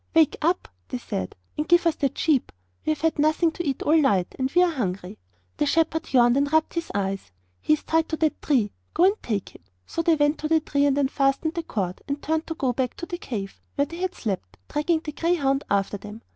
'Wake up,' they said, 'and give us that sheep. We have had nothing to eat all night, and are very hungry.' The shepherd yawned and rubbed his eyes. 'He is tied up to that tree; go and take him.' So they went to the tree and unfastened the cord, and turned to go back to the cave where they had slept, dragging the greyhound after them.